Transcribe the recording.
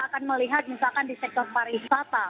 akan melihat misalkan di sektor pariwisata